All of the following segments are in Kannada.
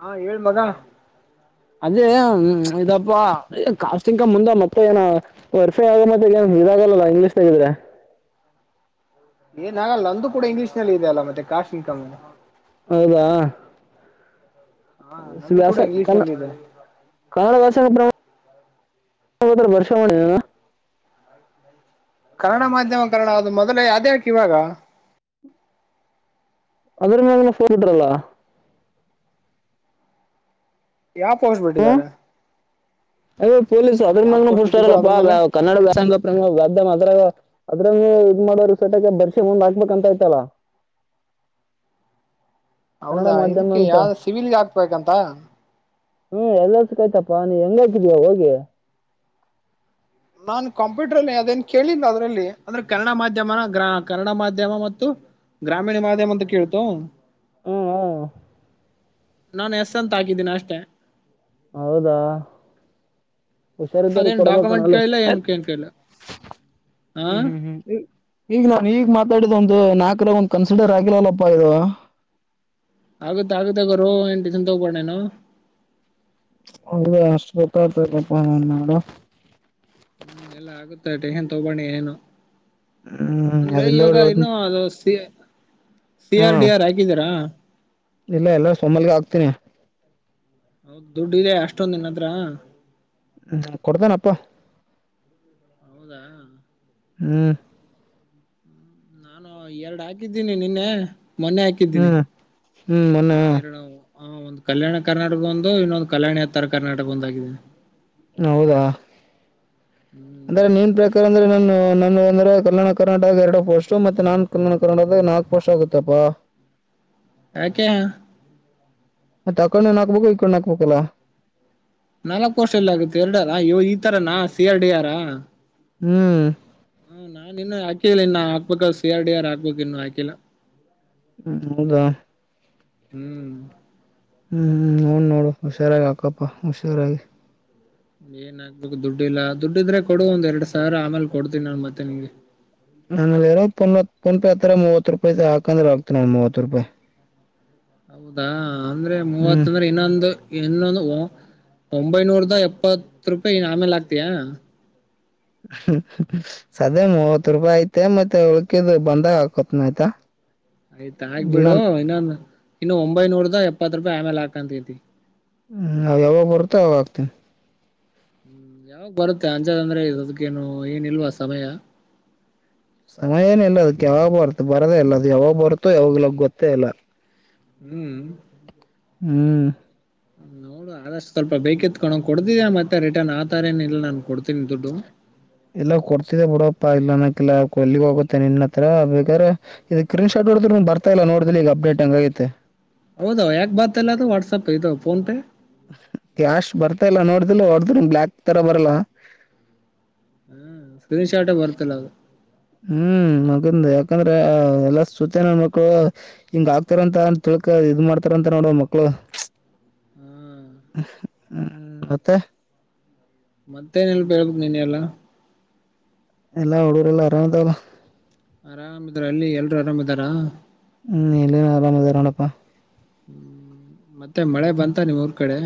ಹಾ ಹೇಳ ಮಗ ಅದೇ ಇದಪ್ಪಾ ಕಾಸ್ಟಿಕ ಮುಂದ ಮತ್ತೈ ಏನ ವರ್ಫೈ ಆಗ ಮಏ ಇದಾಗಲ್ಲ ಇಂಗ್ಲೀಷ್ ನಾಗಿದ್ರೆ ಏನ ಆಗಲ್ಲ ಅಂದುೂ ಕೂಡ ಇಂಗ್ಲೀಷ್ ನಲ್ಲಿ ಇದೆ ಅಲ್ಲ ಮತ್ತೆ ಕಾಸ್ಟ್ ಇನ್ಕಮ ಹೌದಾ ಹಾ ನಂದು ವ್ಯಾಸ ಕೂಡ ಇಂಗ್ಲಿಷ್ ಕನ್ನ ನಲ್ಲಿ ಇದೆ ಕನ್ನಡ ವ್ಯಾಸ ಪ್ರ [unintelligible] ಕನ್ನಡ ಮಾಧ್ಯಮ ಕನ್ನಣ ಅದು ಮೊದಲೇ ಅದೇ ಯಾಕೆ ಇವಾಗ. [unintelligible] ಯಾವ ಪೋಸ್ಟ್ ಹ್ಮ್ ಬಿಟ್ಟಿದ್ದಾರೆ. ಯಾವ ಪೋಸ್ಟ್ ಬಿಟ್ಟಿದ್ದಾರೆ ಅದ್ರ ಮೇಲೆ [unintelligible] ಅದ್ರ ಇದ್ ಮಾಡೋರ ಸೆಟಕ ಬರ್ಷೆ ಮುಂದ್ ಹಾಕ್ಬೇಕಂತ ಆಯ್ತಲ್ಲ. ಹೌದಾ ಇದಕ್ಕೆ ಯಾವ್ದ ಸಿವಿಲ್ಗೆ ಹಾಕ್ಬೇಕಂತ. ಹ್ಮ್ ಎಲ್ಲ ಸಿಕ್ಕಾಯ್ತಪ್ಪ ನೀ ಹೆಂಗಾಕಿದೀಯ ಹೋಗಿ. ನಾನ್ ಕಂಪ್ಯೂಟರ್ ಅಲ್ಲಿ ಅವದೇನ್ ಕೇಳಿಲ್ಲ ಅದ್ರಲ್ಲಿ. ಅಂದ್ರೆ ಕನ್ನಡ ಮಾಧ್ಯಮನ ಗ್ರ ಕನ್ನಡ ಮಾಧ್ಯಮ ಮತ್ತು ಗ್ರಾಮೀಣ ಮಾಧ್ಯಮ ಅಂತ ಕೇಳ್ತು. ಹ್ಮ್ ಹ್ಮ್. ನಾನು ಎಸ್ ಅಂತ ಹಾಕಿದ್ದೀನಿ ಅಷ್ಟೆ. ಹೌದಾ. ಹುಷಾರಿದ್ದಾರ ಅದೇನ್ ಕೊಡ್ಬೇಕಣ ಡಾಕ್ಯುಮೆಂಟ್ ಅಲ್ಲ ಕೇಳಿಲ್ಲ ಏನ್ ಏನ್ ಕೇಳಿಲ್ಲ ಹ ಹ್ಮ್ ಹ್ಮ್ ಹ್ಮ್. ಈಗ ನಾ ಈಗ್ ಮಾತಾಡಿದ ಒಂದು ನಾಲ್ಕರಾಗ ಒಂದ್ ಕನ್ಸಿಡರ್ ಆಗಿಲ್ಲಲ್ಲಪ್ಪ ಇದು. ಆಗುತ್ತೆ ಆಗುತ್ತೆ ಗುರು ಎನ್ ಟೆನ್ಷನ್ ತೊಂಗೋಬೇಡ ನೀನ್. [unintelligible] ಹ್ಮ್ ಎಲ್ಲಾ ಆಗುತ್ತೆ ಟೆನ್ಷನ್ ತಗೋಬೇಡ ನೀ ಏನು. ಹ್ಮ್ ಅಂದ್ರೆ ಅದಿಂದ ಇವಾಗ ಹೇಳ್ತನಿ ಇನ್ನು ಅದು ಸಿ ಸಿ ಹಾ ಆರ್ ಡಿ ಆರ್ ಹಾಕಿದ್ದೀರಾ. ಇಲ್ಲ ಎಲ್ಲ ಸೋಮಲ್ಗ ಆಗ್ತೀನಿ. ಹೌದ್ ದುಡ್ಡ ಇದೆ ಅಷ್ಟೊಂದ ನಿನ್ನ ಹತ್ರ. ಹ್ಮ್ ಕೊಡ್ತನಪ್ಪ. ಹೌದಾ. ಹ್ಮ್. ನಾನು ಎರಡು ಹಾಕಿದ್ದೀನಿ ನಿನ್ನೆ ಮೊನ್ನೆ ಹಾಕಿದ್ದೀನಿ ಹ್ಮ್ ಹ್ಮ್ ಮೊನ್ನೆ ಹ ಎರಡು ಹಾ ಒಂದು ಕಲ್ಯಾಣ ಕರ್ನಾಟಕ ಒಂದು ಇನ್ನೊಂದು ಕಲ್ಯಾಣ ಯತ್ತರ ಕರ್ನಾಟಕ ಒಂದಾಗಿದ್ದೇನೆ. ಹೌದಾ ಹ್ಮ್ ಅಂದ್ರೆ ನೀನ್ ಪ್ರಕಾರ. ಯ ಅಂದ್ರೆ ನಾನು ನನ್ನ ಅಂದ್ರೆ ಕಲ್ಯಾಣ ಕರ್ನಾಟಕ ಎರಡು ಪೋಸ್ಟ್ ಮತ್ತೆ ನಾನ್ ಕಲ್ಯಾಣ ಕರ್ನಾಟದ ನಾಲ್ಕ್ ಪೋಸ್ಟ್ ಆಗುತ್ತಪ್ಪಾ. ಯಾಕೆ. ಮತ್ತ ಅ ಕಣನ ಹಾಕ್ಬೇಕು ಈ ಕಣ್ಣ ಹಾಕ್ಬೇಕಲ್ಲ. ನಾಲ್ಕ್ ಪೋಸ್ಟ್ ಎಲ್ಲ ಆಗುತ್ತೆ ಎರಡ ಅದ ಇ ಈ ತರನಾ ಸಿ ಆರ್ ಡಿ ಆರ್. ಹ್ಮ್. ಹ್ಮ ನಾ ಇನ್ನು ಹಾಕಿಲ್ಲ ಇನ್ನ ಹಾಕ್ಬೇಕ ಸಿ ಆರ್ ಡಿ ಆರ್ ಹಾಕ್ಬೇಕು ಇನ್ನು ಹಾಕಿಲ್ಲ. ಹ್ಮ ಹೌದಾ. ಹ್ಮ್. ಹ್ಮ್ ಹ್ಮ್ ನೋಡ್ ನೋಡು ಹುಷಾರಾಗಿ ಹಾಕ್ಕಪ್ಪ ಹುಷಾರಾಗಿ. ಏನ್ ಆಗಗ್ಬೇಕು ದುಡ್ಡಿ ಇಲ್ಲಾ ದುಡ್ಡ ಇದ್ರೆ ಕೊಡು ಒಂದ್ ಎರಡ್ ಸಾವಿರ ಆಮೇಲೆ ಕೊಡ್ತೀನಿ ನಾನು ಮತ್ತೆ ನಿಂಗೆ. ನಾನಲ್ಲಿ ಇರೋದು ಫೋನ್ ಪೆ ಹತ್ರ ಮೂವತ್ತು ರೂಪಾಯಿ ಇದೆ ಹಾಕಂದ್ರೆ ಆಗ್ತನಿ ಮೂವತ್ತು ರೂಪಾಯಿ ಹೌದ ಅಂದ್ರೆ ಮೂವತ್ ಹ್ಮ್ ಅಂದ್ರೆ ಇನ್ನೊಂದು ಇನ್ನೊಂದು ಒಂಬೈನೂರ ದ ಎಪ್ಪತ್ ರೂಪಾಯಿನ್ ಆಮೇಲೆ ಹಾಕ್ತೀಯ. ಸದೇ ಮೂವತ್ತು ರೂಪಾಯಿ ಐ್ತ ಮತ್ತೆ ಉಳ್ಕಿದ್ ಬಂದಾಗ ಹಾಕೋತ್ನ ಆಯ್ತಾ ಆಯ್ತ್ ಹಾಕ್ ಇಲ್ಲ ಬಿಡು ಇನ್ನೊಂದು ಇನ್ನು ಒಂಬೈನೂರದ ಎಪ್ಪತ್ ರೂಪಾಯಿ ಆಮೇಲೆ ಹಾಕಂತತಿ. ಹ್ಮ್ ನ ಯಾವಾಗ ಬರುತ್ತೆ ಅವಾಗ ಹಾಕ್ತೀನಿ. ಹ್ಮ್ ಯಾವಾಗ ಬರುತ್ತೆ ಅಂಜದ ಅಂದ್ರೆ ಅದಕ್ಕೇನು ಏನಿಲ್ವಾ ಸಮಯ. ಸಮಯ ಏನ ಇಲ್ಲ ಅದಕ್ಕೆ ಯಾವಾಗ ಬರ್ತ ಬರದೇ ಇಲ್ಲ ಅದು ಯಾವಾಗ ಬರುತೋ ಯಾವಾಗಲ ಗೊತ್ತೇ ಇಲ್ಲ. ಹ್ಮ್. ಹ್ಮ್. ನೋಡು ಆದಷ್ಟು ಸ್ವಲ್ಪ ಬೇಕಿತು ಕಣೋ ಕೊಡ್ತಿದ್ದೆ ಮತ್ತೆ ರಿಟರ್ನ್ ಆತರ ಏನ ಇಲ್ಲ ನಾನ್ ಕೊಡ್ತೀನಿ ದುಡ್ಡು ಇಲ್ಲ ಕೊಡ್ತಿದೆ ಬಿಡಪ್ಪಾ ಇಲ್ಲಹನಕಿಲ್ಲ ಎಲ್ಲಿಗೆ ಹೋಗುತ್ತೆ ನಿನ್ನ ಹತ್ರ ಬೇಕಾರೆ ಸ್ಕ್ರೀನ್ ಶಾಟ್ ನೋಡಿದ್ರು ಬರ್ತಾಲ್ಲ ನೋಡಿಲ್ಲಿ ಈಗ ಅಪ್ಡೇಟ್ ಹಂಗಗೈತೆ ಹೌದ ಯಾಕ ಬತಲ್ಲ ಅದು ವಾಟ್ಸಆಪ್ ಇದು ಫೋನ್ ಪೇ ಕ್ಯಾಶ್ ಬರ್ತಾ ಇಲ್ಲ ನೋಡ್ದಿಲ್ಲ ಹೊಡ್ದ ಬ್ಯಾಕ್ ತರ ಬರಲ್ಲ ಹ್ಮ ಸ್ಕ್ರೀನ್ ಶಾಟ್ ಹೇ ಬರ್ತಿಲ್ಲ ಅದು ಹ್ಮ್ ಮಗನ್ ಯಾಕಂದ್ರ ಎಲ್ಲ ಸುತ್ತಮಕ್ಳು ಹಿಂಗ ಆಗ್ತಾರಂತ ಅಂತ ಇದ ಮಾಡ್ತಾರಂತೆ ನೋಡು ಮಕ್ಕಳು ಹ್ಮ್ ಹ್ಮ್ ಮತ್ತೆ ಮತ್ತೆನು ಇಲ್ಲಪ್ಪ ಹೇಳಬೇಕು ನೀನೇ ಎಲ್ಲಾ ಎಲ್ಲಾ ಹಡುಗುರು ಎಲ್ಲ ಆರಾಮಯಿದವಲ್ಲ ಆರಾಮಿದಾರ ಅಲ್ಲಿ ಎಲ್ರು ಆರಾಮಿಯಿದ್ದಾರ ಹ್ಮ್ ಎಲ್ಲಿ ಎಲ್ಲಾ ಆರಾಮ್ ಇದ್ದರೆ ನೋಡಪ್ಪ ಹ್ಮ್ ಮತ್ತೆ ಮಳೆ ಬಂತ ನಿಮ್ ಊರ್ ಕಡೆ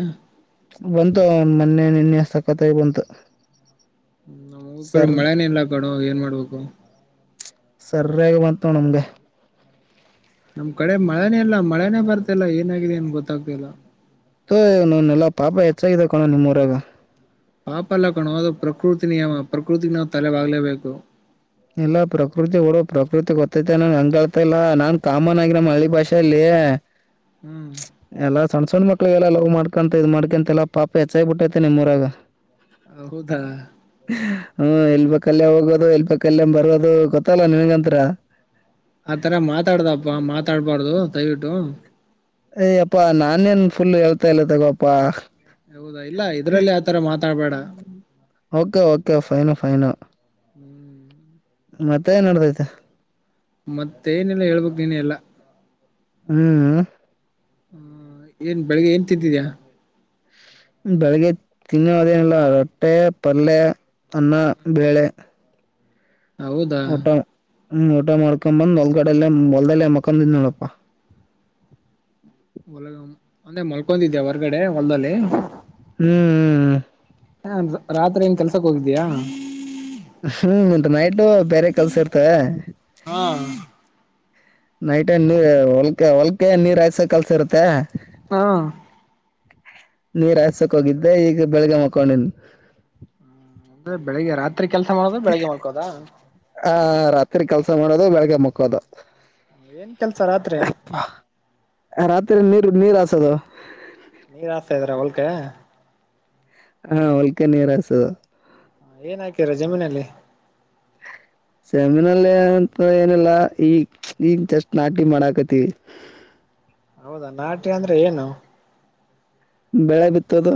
ಬಂತು ಮೊನ್ನೆ ನಿನ್ನೆ ಸಖತಾಗಿಬಂತು ನಮ್ ಊರು ಕಡೆ ಮಳೆನ ಇಲ್ಲ ಕಣೋ ಏನ್ ಮಾಡ್ಬೇಕು ಸರಿಯಾಗಿ ಬಂತು ನೋಡು ನಮಗೆ ನಮ್ ಕಡೆ ಮಳೆನೇ ಇಲ್ಲ ಮಳೆನೇ ಬರ್ತಲ್ಲ ಏನಾಗಿದೆಏನ್ ಗೊತ್ತಾಗ್ತಿ ಇಲ್ಲ ತು ಎಲ್ಲಾ ಪಾಪ ಹೆಚ್ಚಾಗಾಗಿದೆ ಕಣೋ ನಿಮ್ಮ ಊರಾಗ ಪಾಪ ಅಲ್ಲ ಕಣೋ ಅದು ಪ್ರಕೃತಿ ನಿಯಮ ಪ್ರಕೃತಿಗ್ ನಾವ್ ತಲೆ ಬಾಗ್ಲೇಬೇಕು ಇಲ್ಲ ಪ್ರಕೃತಿ ಬಿಡು ಪ್ರಕೃತಿ ಗೊತ್ತೈತೆ ನಾನು ಹಂಗ್ ಹೇಳ್ತ ಇಲ್ಲ ನಾನ್ ಕಾಮನ್ ಆಗಿ ನಮ್ಮ ಹಳ್ಳಿ ಭಾಷೆೆಯಲ್ಲಿ ಹ್ಮ್ ಎಲ್ಲ ಸಣ್ಣ ಸಣ್ಣ ಮಕ್ಕ ಮಕ್ಕಳ ಲವ್ ಮಾಡ್ಕೊಂತ ಇದ್ ಮಾಡ್ಕಂತ ಎಲ್ಲಾ ಪಾಪ ಹೆಚ್ಚಾಗ ಬಿಟ್ಟೈತೆ ನಿಮ್ಮೂರಾಗ ಹೌದಾ ಹ್ಮ ಎಲ್ಲಿ ಬೇಕು ಅಲ್ಲೇ ಹೋಗೋದು ಎಲ್ಲೇ ಬೇಕು ಅಲ್ಲೇ ಬರೋದು ಗೊತ್ತಲ್ಲ ನಿನ್ಗಂತ್ರ ಆತರ ಮಾತಾಡ್ದಪ್ಪ ಮಾತಾಡ್ಬಾರ್ದು ದಯವಿಟ್ಟು ಅಯ್ಯಪ್ಪಾ ನಾನೇನು ಫುಲ್ ಹೇಳ್ತಾ ಇಲ್ಲ ತಗೋಪಾ ಹೌದಾ ಇಲ್ಲ ಇದ್ರಲ್ಲಿ ಆತರ ಮಾತಾಡ್ಬೇಡ ಓಕೆ ಓಕೆ ಫೈನು ಫೈನು ಹ್ಮ್ ಮತ್ತೆ ಏನ್ ನೆಡದೈತೆ ಮತ್ತೆ ಏನೆಲ್ಲ ಹೇಳಬೇಕು ನೀನೆ ಎಲ್ಲ ಹ್ಮ್ ಹ್ಮ ಏನ್ ಬೆಳಿಗ್ಗೆ ಏನ್ ತಿಂತಿದೀಯ ಬೆಳಿಗ್ಗೆ ತಿನ್ನೋಅದೇನಿಲ್ಲ ರೊಟ್ಟೆ ಪಲ್ಯ ಅನ್ನ ಬೇಳೆ ಹೌದಾ ಹ್ಮ ಊಟ ಮಾಡ್ಕೊಬಂದ್ ಹೊಲ್ಕಡ್ ಹೊಲ್ದೆಲ್ಲ ಮಕ್ಕದಿನಿ ನೋಡಪ್ಪಾ [unintelligible] ಒಂದೇ ಮಲ್ಕೊಂಡಿದ್ಯಾ ಹೊರಗಡೆ ಹೊಲ್ದಲ್ಲಿ. ಹ್ಮ್ ಹ್ಮ್ ಹ್ಮ್ ಹಾ ರಾತ್ರಿ ಏನ್ ಕೆಲ್ಸಕ್ ಹೋಗಿದ್ದೀಯ ಹ್ಮ್ ನೈಟ್ ಬೇರೆ ಕೆಲ್ಸ ಇರ್ತವೆ ಹಾ ನೈಟ್ ಏನ್ ಹೊಲ್ಕ ಹೊಲ್ಕೆ ನೀರ್ಯಸ ಕೆಲ್ಸ ಇರುತ್ತೆ ಹಾ ನೀರ್ಹಸಕ್ ಹೋಗಿದ್ದೆ ಈಗ ಬೆಳಗ್ ಮಕೊಂಡನ್ ಅಂದ್ರೆ ಬೆಳಗ್ಗೆ ರಾತ್ರಿ ಕೆಲ್ಸ ಮಾಡೋದ ಬೆಳಿಗ್ಗೆ ಮಲ್ಕೋಳೊದ ಆ ರಾತ್ರಿ ಕೆಲ್ಸ ಮಾಡೋದು ಬೆಳಗ್ಗೆ ಮುಕ್ಕೋದು ಏನ್ ಕೆಲ್ಸ ರಾತ್ರಿ ರಾತ್ರಿ ನೀರು ನೀರ್ಹಸದು ನೀರ ಹಸ್ತಾ ಇದ್ರ ಹೋಲ್ಕೆ ಹಾ ಹೊಲ್ಕೆ ನೀರಕ್ಸೋದು. ಏನ್ ಹಾಕೀರ ಜಮೀನಲ್ಲಿ. ಸೆಮಿನಲ್ಲ ಅಂತ ಏನಿಲ್ಲಾ ಈಗ್ ಈಗ್ ಜಸ್ಟ್ ನಾಟಿ ಮಾಡಾಕತಿವಿ. ಹೌದಾ ನಾಟಿ ಅಂದ್ರೆ ಏನು. ಬೆಳೆ ಬಿತ್ತೋದು.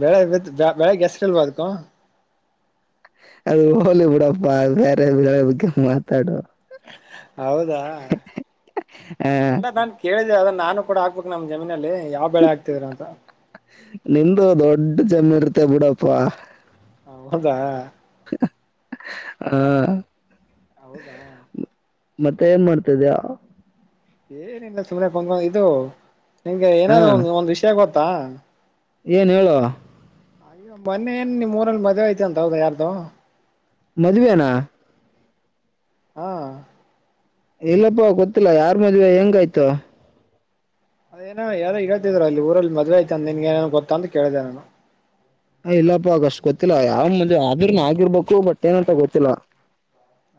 ಬೆಳೆ ಬಿತ್ ಬೇಳೆಗ್ ಹೆಸ್ರಿಲ್ವ ಅಂದ್ಕು. ಅದು ಹೋಲಿ ಬಿಡಪ್ಪ ಬೇರೆ ಬಗ್ಗೆ ಮಾತಾಡು. ಹೌದಾ ಆ ಇಲ್ಲ ನಾನ್ ಕೇಳ್ ಅದ ನಾನು ಕೂಡ ಹಕ್ಬೇಕು ನಮ ಜಮೀನ್ ಹ ಹ ನಿಂದ್ ದೊಡ್ ಜಮೀನ್ ಇರ್ತೇ ಬಿಡಪ್ಪ. ಹೌದಾ ಹ್ಮ ಆ ಹೌದಾ ಮತ್ತೆ ಏನ್ ಮಾಡ್ತಿದ್ಯಾ. ಏನಿಲ್ಲ ಸುಮ್ನೆ ಬಂನ್ವು ಇದು ನಿಂಗೆ ಹಾ ಏನಾದ್ರೂ ಒಂದ ಒಂದ್ ವಿಷಯ ಗೊತ್ತಾ. ಏನ್ ಹೇಳು. ಅಯ್ಯ ಮೊನ್ನೆ ಏನ್ ನಿಮ್ ಊರಲ್ಲಿ ಮದ್ವೆ ಆಯ್ತಂತೆ ಹೌದ ಯಾರ್ದು ಮದ್ವೆ ನಾ. ಹಾ ಇಲ್ಲಪ್ಪಾ ಗೊತ್ತಿಲ್ಲ ಯಾರ್ ಮದ್ವೆ ಹೆಂಗಾಯ್ತು. ಅದೇನೋ ಯಾರ ಹೇಳ್ತಿದ್ರರು ಅಲ್ಲಿ ಊರಲ್ಲಿ ಮದ್ವೆ ಆಯ್ತ ಅಂದ ನಿನ್ಗೆ ಏ ಗೊತ್ತಾ ಅಂತ ಕೇಳಿದೆ ನಾನು. ಹ ಇಲ್ಲಪ್ಪ ಆಗಷ್ಟು ಗೊತ್ತಿಲ್ಲ ಯಾವ ಮುಂಜೆ ಆದರ್ನ ಆಗಿರ್ಬೇಕು ಬಟ್ ಏನಂತ ಗೊತ್ತಿಲ್ಲ.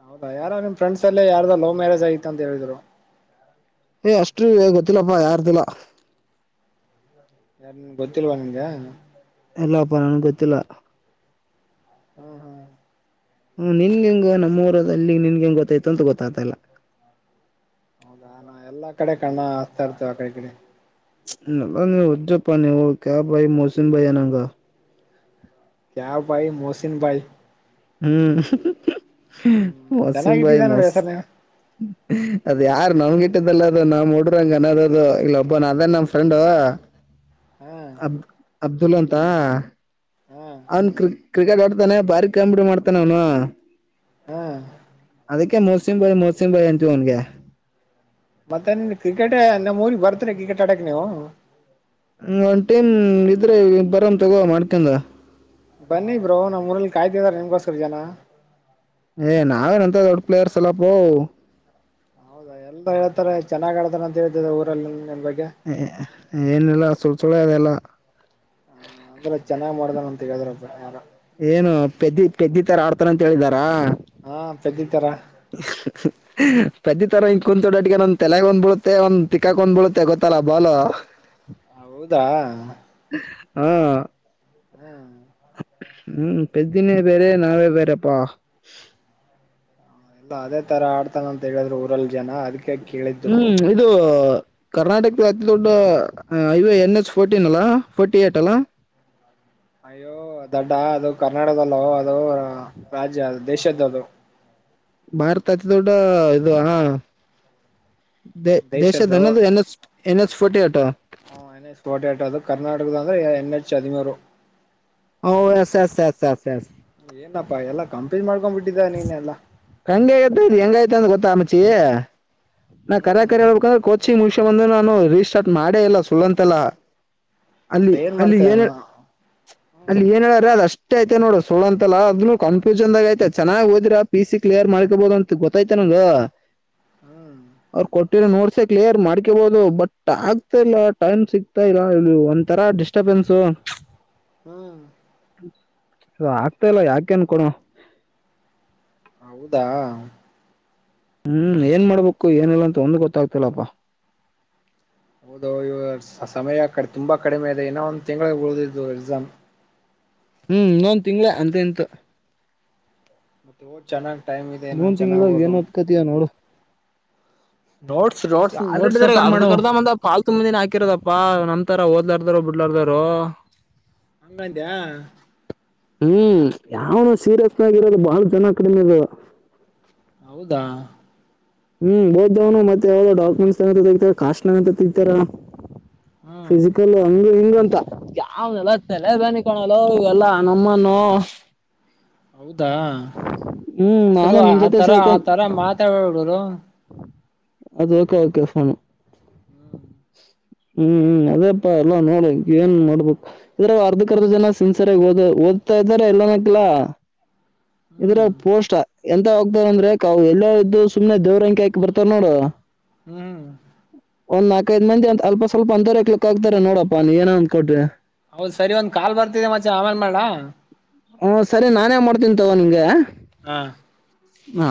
ಹೌದಾ ಯಾರೋ ನಿಮ್ ಫ್ರೆಂಡ್ಸ್ ಅಲ್ಲೇ ಯಾರ್ದ ಲವ್ ಮ್ಯಾರೇಜ್ ಆಯತ ಅಂತ ಹೇಳಿದ್ರು. ಏ ಅಷ್ಟು ಗೊತ್ತಿಲ್ಲಪ್ಪಾ ಯಾರ್ದಿಲ್ಲ. ಯಾರ್ ನಿನ್ ಗೊತ್ತಿಲ್ವಾ ನಿನ್ಗೆ. ಎಲ್ಲಾ ಪ ನಾನಿಗ್ ಗೊತ್ತಿಲ್ಲ. ಹ್ಮ್ ಹ್ಮ್ ಹ್ಮ ನಿನ್ಗೆ ಹೆಂಗ ನಮ್ಮ ಊರ ಅಲ್ಲಿ ನಿನ್ಗೆ ಹೆಂಗ್ ಗೊತ್ತಾಯತ ಅಂತ ಗೊತ್ತಾಯ್ತಲ್ಲ. ಹೌದಾ ನಾ ಎಲ್ಲಾ ಕಡೆ ಕಣ್ಣ ಹಾಕ್ತಾ ಇರ್ತವೆ ಆ ಕಡೆ ಈ ಕಡೆ. ನಲ್ಲಾ ನೀ [unintelligible] ನೀವು ಕ್ಯಾ ಬಾಯ್ ಮೋಸಿನ್ಬಯ್ ಅನಂಗ. ಕ್ಯ ಭಾಯ್ ಮೋಸಿನ್ ಭಾಯ್. ಹ್ಮ್ ಮೊಸಿಂ ಬಾಯಿ ಚೆನ್ನಾಗಿಟ್ಟಿದ್ದ ನೋಡಿ ಹೆಸರ್ನ ಅದು ಯಾರು ನನ್ಗೆ [unintelligible] ಅನದದು ಇಲ್ಲ ಒಬ್ಬ ನ ಅದನ್ ನಮ ಫ್ರಂಡ್ ಹಾ ಅಬ್ದುಲ್ ಅಂತ ಹಾ ಅವನ್ ಕ್ರಿ ಕ್ರಿಕೆಟ್ ಹೊಡ್ತಾನೆ ಬಾರಿ ಕಾಮಿಡಿ ಮಾಡ್ತಾನ ಅವನು. ಹಾ ಅದಕ್ಕೆೆ ಮೋಸಿಂ ಬಾಯ್ ಮೋಸಿಂ ಬಾಯ್ ಅಂತಿವ್ ಅವನ್ಗೆ. ಮತ್ತೆನ್ ಕ್ರಿಕೆಟ ನಮ್ಮ್ ಊರಿಗೆ ಬರ್ತರಿ ಕ್ರಿಕೆಟ್ ಆಡಕ್ ನೀವು ಹ ಒಂದ್ ಟೀಮ್ ಇದ್ರೆ ಬರನ್ ತಗೋ ಮಾಡ್ಕಂದ ಬನ್ನಿ ಬ್ರೋ ನಮ್ಮ್ ಊರಲ್ಲಿ ಕಾಯ್ತಿದಾರ ನಿಮ್ಗೋಸ್ರ ಜನ ಏ ನಾವೇನಂತ ದೊಡ್ ಪ್ಲೇಯರ್ಸ್ ಅಲ್ಲಪ್ಪೋ. ಹೌದಾ ಎಲ್ಲ ಹೇಳ್ತಾರೆ ಚೆನ್ನಾಗ್ಳ್ತಾರ ಅಂತ ಹೇತದೆ ಊರಲ್ಲಿ ನನ್ ಬಗೆ ಹೇ ಏನಿಲ್ಲ ಸುಳ್ಸುಳ್ಳೆ ಅದೆಲ್ಲ. ಹೇಳುದ್ರಪ್ಪ ಯಾರೋ. ಏನು ಪೆದಿ ಪೆದ್ದಿತರ ಆಡ್ತಾರ ಅಂತ ಹೇಳಿದಾರಾ. ಹಾ ತದಿತರ ಪೆದ್ದಿ ತರ ಇಂಗ ಕುಂತೊಡ್ಡ ಅಟ್ಟಿಗೆ ನಂದ್ ತಲೆಗ ಒಂದ್ ಬಿಳುತ್ತೆ ಒಂದ ತಿಕ್ಕಾಕ್ದ್ಬೀಳುತ್ತೆ ಗೊತ್ತಲ್ಲ ಬಾಲು. ಹಾ ಹೌದಾ ಹಾ ಹ್ಮ್ ಹ್ಮ್ ಪದಿನೇ ಬೇರ ನಾವೇ ಬರೆಪ್ಪಾ ಅದೇ ತರ ಆಡ್ತಾನ ಅಂತ ಹೇಳಿದ್ರು ಊರಲ್ ಜನ ಅದ್ಕ ಹ್ಮ್ ಇದು ಕರ್ನಾಟಕದ ಅತಿ ದೊಡ್ಡ ಹೈವ ಎನ್ ಎಸ್ ಫೋರ್ಟೀನ್ ಅಲ್ಲಾ ಫೋರ್ಟಿ ಏಟ್ ಅಲ್ಲ ಅಯ್ಯೋ ದಡ್ಡ ಅದು ಕರ್ನಾಟದಲ್ಲೋ ಅದು ರಾಜ್ಯದು ದೇಶದದು ಭಾರತ ದ ಅತಿ ದೊಡ್ಡ ಇದು ಹ ದ ದೇಶದ್ದು ದೇಶಧನದು N H N H forty ಆಟ ಕರ್ನಾಟಕದಂದ್ರೆ ಎನ್ ಹೆಚ್ ಅಧಮೂ ಹೌ S S S S S ಏನಪ್ಪಾ ಎಲ್ಲಾ ಕಂಪೀ ಮಾಡ್ಕೊಂಡ್ ಬಿಟ್ಟಿದ್ದ ನೀನೆಲ್ಲಾ ಹಂಗ ಆತೆ ಇ ಹೆಂಗ ಐತೆ ಅಂದ ಗೊತ್ತಾ ಮಾಚಿ ನಾ ಹ್ಮ್ ಕರಾಕರಿ ಹಳ್ಬೇಕಂದ್ರೆ ಕ ಹಚ್ಚಿ ಮುಂಷ ಬಂದೆ ನಾನು ರೀಸ್ರ್ಟ್ ಮಾಡೇ ಇಲ್ಲ ಸುಳ್ಳಂತೆಲ್ಲ ಅಲ್ಲಿ ಮತ್ತೆ ಅಲ್ಲಿ ಮಾಡ್ತ ಏನ್ ಹ್ಮ್ ಅಲ್ಲಿ ಏನ್ ಹೇಳಾರ್ರ ಅದ ಅಷ್ಟ [unintelligible] ಕ್ಲಿಯರ್ ಮಾಡ್ಕೊಬೋದು ಅಂತ ಗೊತ್ತಾಯ್ತ ನ ಹ್ಮ್ ಅವ ಕೊ ನೋಡ್ಸ ಕ್ಲಿಯರ್ ಮಾಡ್ಕೊಬಹುದು ಬಟ್ ಆಗ್ತಾ ಇಲ್ಲ ಟೈಮ್ ಸಿಗ್ತಾ ಇಲ್ಲ ಇದು ಒಂ ತರ ಡಿಸ್ಟರ್ಬ್ ನ್ಸು ಹ್ಮ್ ಅ ಆಗ್ತಾ ಇಲ್ಲ ಯಾಕೆನ್ಕಣ ಹೌದಾ ಹ್ಮ್ ಏನ್ ಮಾಡ್ಬೇಕು ಏನಿಲ್ಲ ಅಂತ ಒಂದ್ ಗೊತ್ತಾಗ್ತಲ್ಲಪ್ಪಾ ಹೌದು ಇವ ಸಮಯ ತುಂಬಾ ಕಡಿಮೆ ಇದೆ ಇನ್ನ ಒಂದ್ ತಿಂಗಳಿಗೆ ಉಳಿದಿದ್ದು ಎಕ್ಸಾಮ್ ಹ್ಮ್ ಇನ್ನೊಂದು ತಿಂಗಳ ಅಂತ ಎಂತ ಮತ್ತೆ ಚೆನ್ನಾಗಿ ಇ ಒಂದ್ ತಿಂಗ್ಳ ಏನ್ತ್ಕತಿಯ ನೋಡು ನೋಟ್ಸ್ ನೋಟ್ಸ್ ಆಲ್ಡಿ ನೋಟ್ಸ್ ಪೇಪರ್ ಅರ್ ಮಾಡು ಕರ್ದಂದ ಪಾಲ್ ತುಂಬ ದಿನ ಹಾಕಿರೋದಪ್ಪಾ ನಂತರ ಓದಲಾರ್ದಾರರು ಬಿಡ್ಲಾರ್ದರು ಹಂಗ ಅಂತಯ ಹ್ಮ್ ಯಾವನು ಸೀರಿಯಸ್ನಾಗಿ ಇರೋದು ಬಹಳ ಜನ ಕಡಿಮೆದ ಹೌದಾ ಹ್ಮ್ ಹೊದವ್ನು ಮತ್ತೆ ಯಾವ್ದ ಡಾಕುಟ್ಸ್ತಾರ ಕಾಸ್ಟ್ ನಗತಾರ ಹ್ಮ್ ಫಿಸಿಕಲ್ ಹ ಹಿಂಗ ಉಟ ಯಾವನೆಲ್ಲ ತಲೆ ಬನ್ನಿಕಣಲ್ಲ ಇಲ್ಲಾ ನಮ್ಮನ್ನು ಹೌದಾ ಹ್ಮ್ ಸರು ನಾನು ನಿಮ್ ಆ ಜೊತೆ ತರ ಸೇರ್ಕೊಂಡ್ ಆತರ ಮಾತಾಡರು ಅದು ಕೆ ಓಕೆ ಫೋನು ಹ್ಮ್ ಹೂ ಅದೇಪ್ಪಾ ಎಲ್ಲಾ ನೋಡ ಏನ್ ನೋಡ್ಬೇಕು ಇದ್ರ ಅರ್ಧ ಅರ್ಧ ಜನ ಸಿನ್ಸಿರಾಗ ಸರಿಓದ ಓದ್ತ ್ತಾರೆ ಎಲ್ಲ ನಕ್ಲಾ ಇದ್ರ ಹ್ಮ್ ಪೋಷಟ ಎಂತ ಹೋಗ್ತಾರ ಅಂದ್ರೆ ಕವು ಎಲ್ಲ ಇದ್ದು ಸುಮ್ನೆ ದೇವ್ರಂಗಕಿ ಹಾಕ ಬರ್ತಾರ ನೋಡು ಹ್ಮ್ ಒಂದ್ ನಲ್ಕಐದು ಮಂದಿ ಅಪ ಸ್ವಲ್ಪ ಅಂದರ ಹ ಕಕ್ಲಿಕ್ಗ್ತ ನೋಡಪ್ಪ ನೀ ಏನ ಅ್ ಕೊೋ್ರಿ ಹೌದ್ ಸರಿ ಒಂದ್ ಕಾಲ್ ಬರ್ತಿದೆ ಮತ್ತೆ ಆಮೇನ್ ಮಾಡೇ ಹ ಸರಿ ನಾನೇ ಮಾಡ್ತೀನಿ ತವೋ ನಿನ್ಗೆ ಹಾ ಹಾ